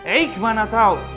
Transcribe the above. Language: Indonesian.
eik mana tahu